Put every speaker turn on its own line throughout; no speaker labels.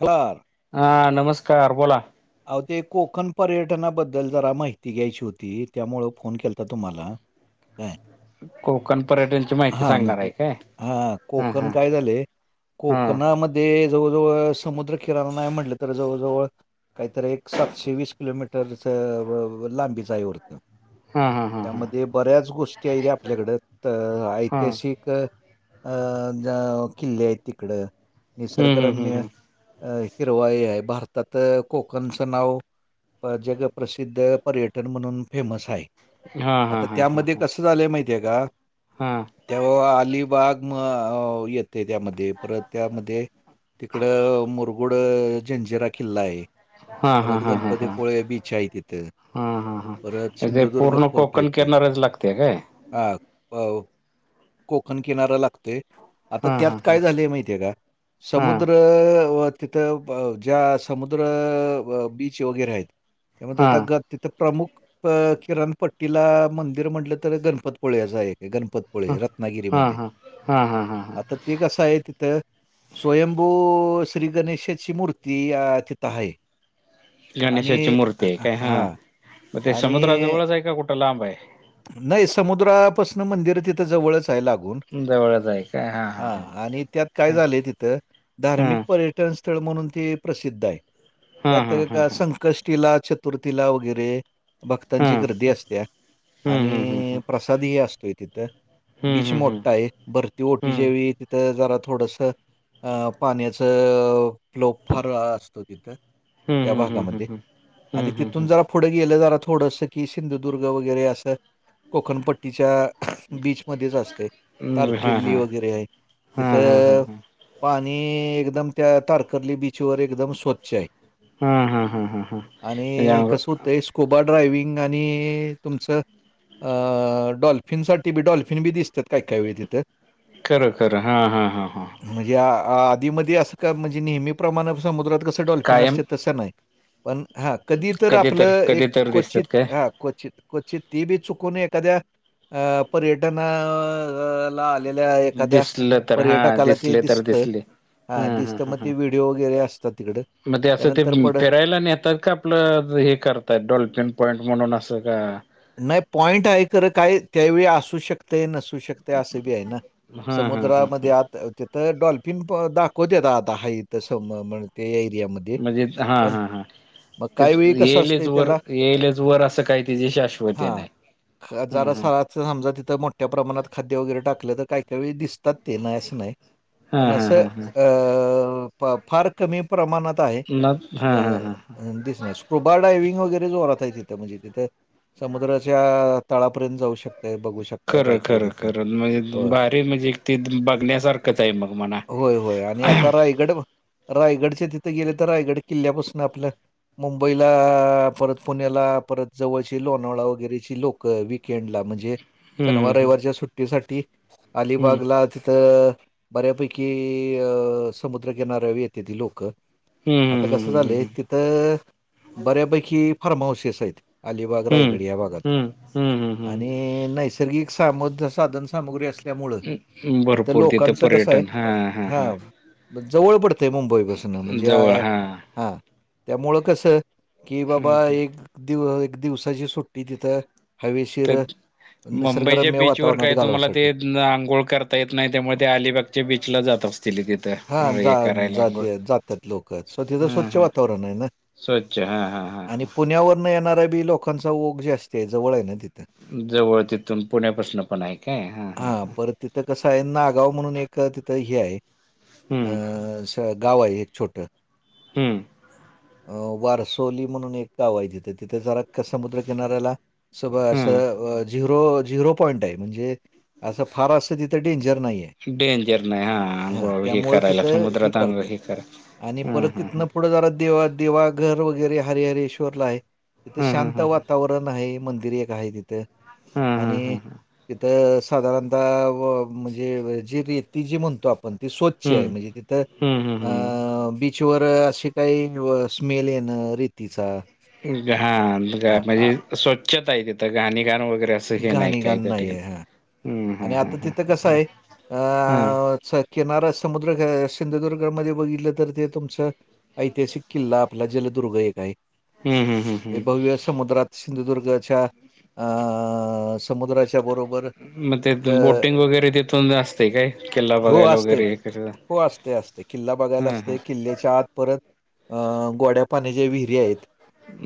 हलार
हा नमस्कार बोला.
अहो ते कोकण पर्यटनाबद्दल जरा माहिती घ्यायची होती त्यामुंळ फोन केलता तुम्हाला. हम.
कोकण पर्यटनची माहिती
हा
सांगणार आहे
म्हणजे
काय
हा कोकण काय झालय.
हा
कोकणामध्ये जवळजवळ समुद्र किराणा नाही म्हटलं तर जवळजवळ काहीतरी एक सातशे वीस किलोमीटर च व व लांबीच हाय वाटत.
हा हा हा हा
त्यामध्ये बऱ्याच गोष्टी आहेत आपल्याकड
हा
ऐतिहासिक अ ज किल्ले आहेत तिकड
हम्म हम्म हम्म
निसर्गरम्य
हम्म
हिरवाई आहे भारतात कोकणचं नाव जगप्रसिद्ध पर्यटन म्हणून फेमस हाय.
हा हा
आता
हा हा
त्यामध्ये
हा
कस झालंय माहितीय का.
हा.
तेव्हा अलिबाग म येत. ते त्यामध्ये परत त्यामध्ये तिकड मुरगुड झंजिरा किल्ला आहे.
हा हा
परत
हा हा हा
गणपतीपोळे बीच आहे तिथं..
हा हा हा
परत
म्हणजे ते
सिंधुदुर्ग
पूर्ण
फोर्ट
कोकण
येतोय.
किनारच लागतेय काय.
हा अ कोकण किनारा लागतोय. आता
हा हा
त्यात
हा
काय झालंय माहितीये का
हा
समुद्र अ व तिथं ब ज्या समुद्र बीच वगैरे आहेत. त्यामुळे
हा
आता
हा
ग तिथं प्रमुख किराणपट्टीला मंदिर म्हटलं तर गणपत पोळ्याच आहे गणपत पुळे
हा
रत्नागिरीमध्ये
हा हा हा हा
आता ते कसं आहे. तर स्वयंभू श्री गणेशाची मूर्ती आ तिथ हाय.
गणेशाची मूर्ती आहे काय हा मग ते
आणि
समुद्राजवळच आहे का कुठं लांब आहे.
नाही समुद्रापासून मंदिर तिथं जवळच हाय लाग लागून
जवळच आहे काय हा हा
आ
हा
आणी त्यात काय झालय तिथं धर्मिक
हा
पर्य टन स्थळ म्हणून ते प्रसिद्ध हाय
हा हा हा
त्यात
हा हा
संकष्टी ला छ चतुर्थीला वगैरे भक्तांची
हम्म
गर्दी असत्या.
हम्म हम्म
आणि प्रसादही असतोय तिथं
हम्म
बीच
हम्म
मोठा आहे भरती ओटी
हम्म
च्यावेळी तिथं जरा थोडस अ पाण्याच फ्लोप फार असतो तिथं त्या
हम्म हम्म हम्म हम्म
भागामध्ये आणि
हम्म हम्म हम्म
तिथून जरा पुढ गेले जरा थोडंसं कि सिंधुदुर्ग वगैर असं तर कोकणपट्टीच्या बीचमध्येच असते तारकिर्ली वगैरे आहे.
हा हा हा
तिथं
हा.
पाणी एकदम त्या तारकर्ली बीच बीच वर एकदम स्वच्छ हाय
हां हां हां हां हां हां म्हणजे
आणि
अंग
कस होतंय. स्कुबा ड्रायविंग आणि तुमचं अ डॉल्फिन साठी बी डॉल्फिन बी दिसते. त काय काय वेळी तिथं.
खरं खरं हां हां हां हां
म्हणजे आ आधीमधी असं का म्हणजे नेहमी प्रमाण समुद्रात कसं डॉल्फिन
कायम
असत्यत तसं नाही. पण हा कधी तर आपलं एक
कधी तर
क्वचित
दिसतात काय
हा क्वचित क्वचित ती बी चुकून एखाद्या अ पर्यटनं ला आलेल्या एखाद्या
दिसलं तर हा
पर्यटकाला ते
दिसले तर
दिसत.
दिसले
हा दिसतं मग ते व्हिडिओ वगैरे असतात तिकड
मग ते असं ते
त्यानंतर पड
फिरायला नेतात का आपलं हे करताय डॉल्फिन पॉईंट म्हणून असं का?
नाही पॉइंट आहे खरं काय त्यावेळी असू शकत नसू दिसू शकते असं बी आहे ना
हा हा हा हा
समुद्रामध्ये आत तिथं डॉल्फिन पण दाखवतेत आत हाय इथ ते समुद्रामध्ये ते एरियामध्ये.
म्हणजे हा
पण
हा हां
मग
ते
काही वेळी कसं
येईलच
असतंय
वर येईलच वर असं काय त्याची शाश्वती
हा
नाही. हम्म
जरास
हम्म
आत समजा तीथं मोठ्या प्रमाणात खाद्य वगैरे टाकलं तर काही काही का वेळी दिस दिसतात ते नाही अस नाही
हा
पण अस
हा हा हा
फार कमी प्रमाणात आहे
ना हा हा हा ह
अ दिसन [unintelligible] स्कुबा ड्रायव्हिंग वगैरे जोरात आहे तिथं म्हणजे तिथं समुद्राच्या तळापर्यंत जाऊ शकत.
खरं खरं खरं म्हणजे
होय.
भारी म्हणजे ती बघण्यासारखंच आहे मग म्हणा.
होय होय आणि आता रायगड रायगडच्या तिथं गेले तर रायगड किल्ल्यापासून आपल्या मुंबईला परत पुण्याला परत जवळ लोणावळा वैगेरे ची लोक विकेंड ला म्हणजे
हम्म
शनिवार रविवारच्या सुट्टीसाठी
हम्म
अलिबागला तिथं बऱ्यापैकी अ समुद्रकिनाऱ्यावर येतेती लोकं.
हम्म
आता कसं झालंय
हम्म
तिथं बऱ्यापैकी फार्महाऊसेस आहेत.
हम्म
रायगड या भागात
हम्म हम्म
आणि
हम्म
नैसर्गिक सामाद साधनसामग्री असली त्यामुळ तिथं
भरपूर
लोकांचं कसं आहे
पर्यटन हा हा हा
हां जवळ पडतंय मुंबईपासून म्हणजे
जवळ हा
हा त्यामुळ कसं कि बाबा
हम्म
एक दिव एक दिवसाची सुट्टी तिथं हवेशीर
तेच मुंबईच्या
निसर्गरम्य
बीचवर
वातावरणात
काय तुम्हाला ते
घालवायसाठी
आंघोळ करत ता येत नाही त्यामुळे ते अलिबागच्या बीच ला जात असतील तिथं.
हा
हे
जात
करायला
जातात
आंघोळ
जात्यात लोक तिथं
हम्म
स्वच्छ
हम्म
वातावरण आहे ना.
स्वच्छ हा हा हा
आणि पुण्यावर न येणाऱ्या बी लोकांचा ओघ जास्ती हाय जवळ आहे ना तिथंन.
जवळ तिथून पुण्यापासून पण आहे काय हा हां हां.
तर कसं आहे नागाव म्हणून एक तिथं हे आहे.
हम्म
अ, स गाव आहे एक छोटं.
हम्म
अ वारसोली म्हणून एक गाव आहे तिथे तिथे जरा समुद्र किनाऱ्याला सगळ अस
हम्म
अं झिरो झिरो पॉईंट आहे म्हणजे असं फार असं तिथं डेंजर नाही आहे.
डेंजर नाही हा
हां,
अंघोळ हे
त्यामुळे
करायला
तिथं
समुद्रात अंग
करतात
हे
आणि
करायला
परत
ह हं
तिथनं पुढं जरा देवा देवाघर वगैरे हरेहरेईश्वरला आहे तिथं
हं हं
शांत
हं हं
वातावरण नाही मंदिर एक आहे तिथ
हं
आणि
हं
तिथं साधारणतः म्हणजे जी रेती जी म्हणतो आपण ती स्वच्छ
हं
आहे म्हणजे तिथं
हं हं
अ
हं
बीचवर असे काही स्मेल येन रेतीचा
हा ग
हां, आ,
म्हणजे स्वच्छता आहे तिथं घाणी घाण वगैरे असं हे नाही
घाणी घाण
काय त्या
नाही
ठिकाणी
आहे हा
हं
आणि
हं हं
आता
हं
तिथं कसं
हं
अ किनारा समुद्र सिंधुदुर्गामध्ये बघितलं तर ते तुमचं. ऐतिहासिक किल्ला आपला जलदुर्ग एक आहे
हं हं हं
हे
हं
भव्य समुद्रात सिंधुदुर्गच्या अ समुद्राच्या बरोबर
मग ते
एक अ,
बोटिंग वगैरे तिथून असते काय किल्ला
हो
बघायला
असते.
वगैरे
हो असते असते. किल्ला बघायला
हां
असते
हां
किल्ल्याच्या आत परत अ गोड्या पाण्याच्या विहिरी आहेत.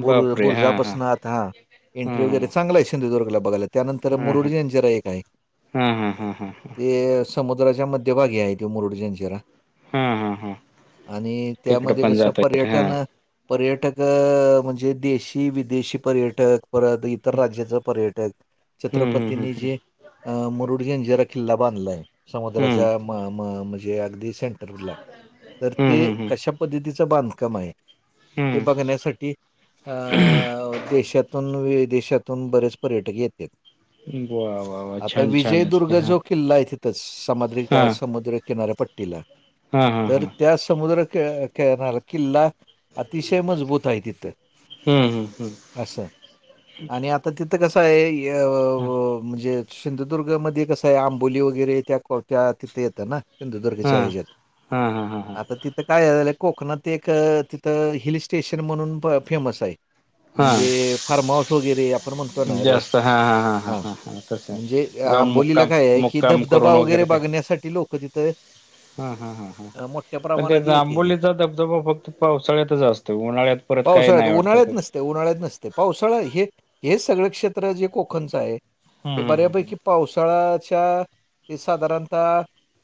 बुर
बापरे हां हां
बुरजापासन आत हा एंट्री
हं
वगैरे चांगलाय सिंधुदुर्गला बघायला त्यानंतर
हं हं हं
मुरूड जंजिरा एक हाय
हा हा हा हा हा
ते असं समुद्राच्या मध्यभागी हाय त्यो मुरुडजंजिरा.
हा हा हा
आणि
तिकडं
त्यामध्ये
पण
कस
जाता येत हा
पर्यटन पर्यटक म्हणजे देशी विदेशी पर्यटक परत इतर राज्याचं पर्यटक
हम्म हम्म
छत्रपतीनी जे अ मुरुड जंजिरा किल्ला बांधलाय
हम्म
समुद्राच्या म म म म्हजे अगदी सेंटरला तर ते
हम्म हम्म हम्म हम्म
कशा पद्धतीचं चं बांधकाम हाय ते
हम्म
बघण्यासाठी अ देशातून विदेशातून बरेच पर्यटक येत्यात.
वा वा वा छान छानच की हा
जो किल्ला हाय तिथच सामद्रिक
हा
समुद्र किनाऱपट्टीला.
हा हा
तर
हा
त्या समुद्र क केणार किल्ला अतिशय मजबूत हाय तिथ
हम्म हम्म हम्म
असं आणि आता तिथ ते कसंय य
हा
व म्हणजे सिंधुदुर्गमध्ये कसंय आंबोली वगैरे त्या को त्या तिथे येतं ना
हा
सिंधुदुर्गच्या ह्याच्यात
हा हा हा
आता ति ते काय झालं कोकणात एक तिथं हिल स्टेशन म्हणून फेमस हाय.
हा हा
म्हणजे फार्म हाऊस वगैरे आपण म्हण कं नाय रे हा म्हणजे
जाऊन
आंबोलीला
मुक्काम
काय ये की
मुक्काम
धबधबा
करून
वगैरे
ते
बघ न्यासाठी लोक तीत
हा हा हा हा
मोठ्या प्र
पण ते आंबोलीचा धबधबा फक्त पावसाळ्यातच असतो उन्हाळ्यात परत काय नाय वाटतं पर
ते उन्हाळ्यात नसते पावसाळा हे हे सगळं क्षेत्र जे कोकणचं आहे ते
हम्म हम्म
बऱ्यापैकी पावसाळ्याच्या हे साधारणतः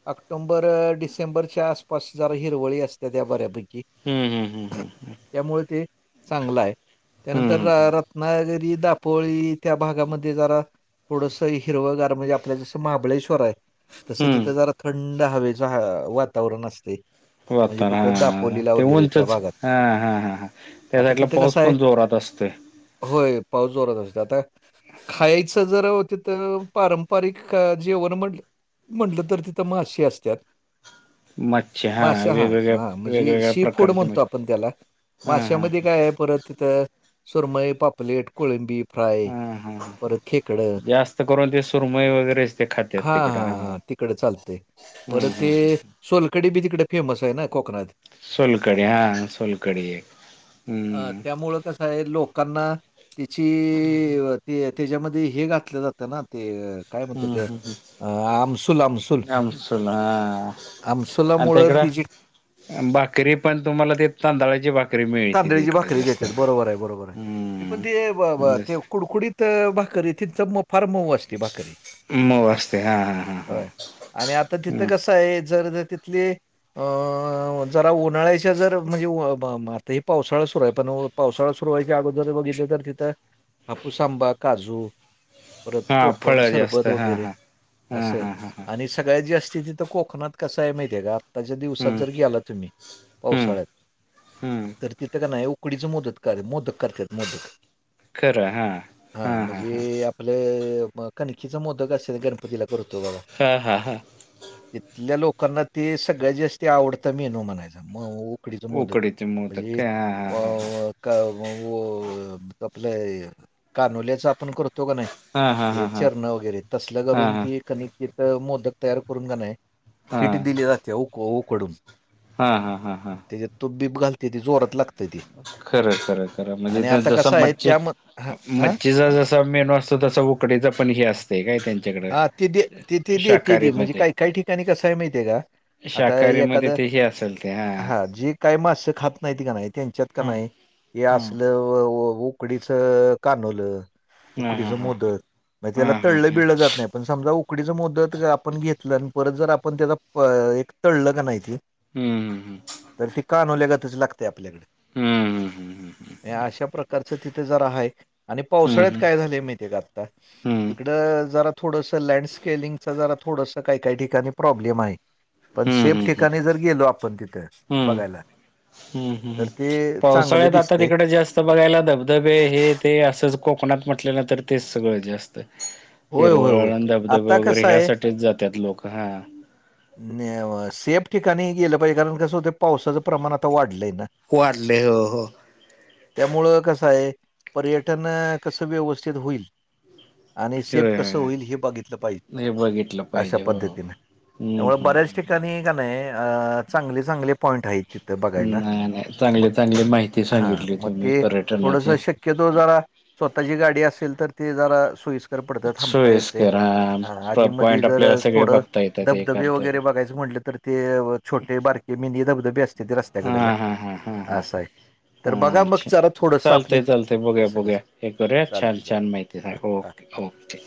ऑक्टोंबर डिसेंबरच्या आसपास जरा हिरवळी असत्याता जरा बऱ्यापैकी
हम्म हम्म हम्म हम्म
त्यामुळ ते चांगलं हाय त्यानंतर
हम्म हम्म
रत त्नागिरी दापो पोळी त्या भागामध्ये जरा थोडस हिरवगार म्हणजे आपला जसं महाबळेश्वर हाय तसं
हम्म
तिथं जरा थंड हवेच ह वातावरण असतय.
होता नाते
त्या
उंचच
भागात.
हा हा हा
आता
त्यासाईटला
तिथं
पाऊस
कसं आहे
पण जोरात असतय.
होय पाऊस जोरत असत आता खायचं जरा तिथं पारंपरिक जेवण म्हटलं म्हंणलं तर तिथं मासे असत्यात.
मच्छी
मासे हा
वेगवेगळ्या
हा म्हणजे
वेगवेगळ्या
सी फूड
प्रकारची
म्हणतो
मच्छी
आपण त्याला
हा हा
माशमध्ये काय ये परत तिथं सुरमई, पापलेट, कोळंबी फ्राय,
हूं हूं हूं
परत खेकडं
हूं जास्त करून ते सुरमई वगैरेच ते खात्यात तिकड हा
तिकडे चालतय परत ते
हम्म
सोलकडी बी तिकड फेमस हाय ना कोकणात
सोलकडी हा सोलकडी एक
अ,
हम्म
त्यामुळं कसं हाय लोकांना तिची वत ते त्याज्यामध्ये हे घातलं जातं ना ते अ काय
हूं
म्हणतो ते
हूं
अ, आमसूल, आमसूल.
हम्म आमसूल हा आणि
आमसुलामुळं ती जी
तिकड भाकरी पण तुम्हाला ते तांदळाची भा
तांदळीची भाकरी देत्यात बरोबर हाय बरोबर हाय ये पण
हम्म
ते ब ब
जस
ते कुडकुडीत त भाकरी तिचं म फार मऊ असते भाकरी
मऊ असते हा हा हा हा
होय आणि आता तिथं
हम्म
कसंय जर जर ति तिथले अ जरा उन्हाळ्याच्या जर म्हणजे व म म म ते पावसाळा सुरू हाय पण पावसाळा सुरु व्हायच्या अगोदर बघितल तर तिथं हापूस आंबा, काजू परत
हा
कोकम
फळ जास्त
सरबत
हा
वगैरे
हा हा
असं
हा हा हा
आणि सगळ्या जी असति तिथ कोकणात कस आहे माहितीय आहे का आत्ताच्या दिवसात
हम्म
जर गेला तुम्ही
हम्म
पावसाळ्यात
हम्म
तर तिथं का नाही उकडीचं मोदक कर मोदक करते मोदक
खरं हां हां हां हां
आपले कणखीचा मोदक असेल गणपतीला करतो बाबा
हा हा हा
तिथल्या लोकांना ते सगळ्यात जास्ती आवडत मीनो म्हणायच म उकडीच मोदत
उकडीचे मोदक
म्हणजे
काय हा हा
अ आपलं कानोल्याच आपण करतो तो का नाही
हा हा
ते
हा हा
चरण वगैरे तसल्या
हा
करून
हा हा
ती कनिकित मोदक तयार करून काय नाही
हा
सिटी दिली जाते क उकडून
हा हा हा हा
त्याच्या तुप बीब घालते ते जोरत लागते ती.
खरं खरं खर
आणि
म्हणजे
आता
जस
कसं आहे
मच्छ
त्याम हां, हां?
मच्छीचा जस मेनू असतो तसा तुकडीच पण हे असते काय त्यांच्याकडे
हां, ते दे ते ते देते
शाकाहारी
ती म्हणजे
मध्ये
काही काही ठिकाणी कसं आहे माहिती आहे का, आता
शाकाहारी मध्ये
एखादं
तेही असेल ते हा
हां, जे काही मास्सं खात नाहीती का नाही त्यांच्यात का
हा
नाही हे
हा
असलं उकडीच कानवलं
हा
उकडीच
हा हा
मोदक त्याला
हा हा
तळलं
हा
बिळलं जात नाही पण समजा उकडीचा मोदक आपण घेतलं आणि परत जर आपण त्याचा परत तळलं का नाहीते
हम्म हम् हम्
तर ती कानोवल्यागातच लागते
हम्म हम्म हम्म
आपल्याकडे अशा प्रकार तिथे जर आहे आणि पावसाळ्यात
हम्म
काय झालेय माहितीय का आता
हम्म
तिकडं जरा थोडसं लँडस्केलिंगच जरा थोडस काही काही ठिकाणी प्रॉब्लेम आहे पण
हम्म
सेफ
हम्म हम्म
ठिकाणी जर गेलो आपण तिथे
हम्म
बघायला
हम्म हम्म
तर ते चांगलं
पावसाळ्यात आता
दिसतंय.
तिकडे जे असतं जा बघायला धबधबे हे ते असंच कोकणात म्हटलेलं तर तेच सगळं जास्त
होय होय होय.
हिरवळण धबधबे
आता
वगैरे
कसं आहे
ह्यासाठीठीच जातात लोक हा
सेफ ठिकाणी गेलं पाहिजे कारण कसं होत पावसाचं प्रमाण आता वाढलंय ना
वाढले हो हो
त्यामुळं कसं आहे पर्यटन कसं व्यवस्थित होईल आणि
होय
सेप
होय
कसं
होय.
होईल हे बघितलं पाहिजे
हे बघितलं
अशा
पाहिजे हो हो.
पद्धतीने
हम्म
त्यामुळे
हम्म हम्म.
बऱ्याच ठिकाणी का नाही अ चांगले चांगले पॉईंट आहेत तिथ बघायला
नाही नाही
मग
चांगली चांगली माहिती
हा
सांगितली
मग
तुम्ही
ते थोडस
पर्यटनाची
शक्य तो जरा स्वतःची गाडी असेल तर ते जरा सोईस्कर पडदा थांबता येते
सोयस्कर हा
आधी मध्ये
पॉइंट
जर
आपल्याला सगळे
थोडं
बघता येतात हे
धबधबे
करता
वगैरे
येतात
बघायचं असं म्हटलं तर ते छोटे बारके मनी धबधबे असते की रस्तावर
हा हा हां हा हां
तर बघा
हा
मग
अच्छा
जरा थोडंसं आपले
चालतय चालतय बघूया
कसं-कसं
बघूया हे करूया छान
चालतंय, चालतंय.
छान माहिती स
हां, हां.
ओके हो ओके